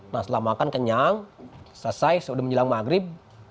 nah setelah makan kenyang selesai sudah menjelang maghrib